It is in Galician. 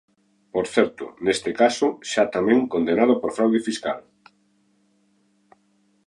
Por certo, neste caso xa tamén condenado por fraude fiscal.